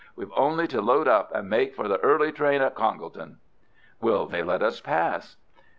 We've only to load up and make for the early train at Congleton." "Will they let us pass?"